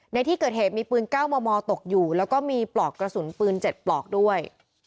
ในที่เกิดเหตุมีปืน๙มมตกอยู่แล้วก็มีปลอกกระสุนปืน๗ปลอกด้วย